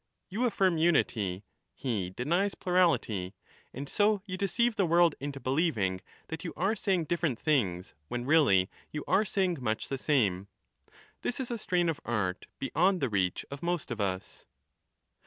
You affirm unity, he denies plurality. And so you deceive the world into believing that you are saying different things when really you are saying much the same. This is a strain of art beyond the reach of most of us.